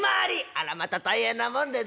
あらまた大変なもんでどうも。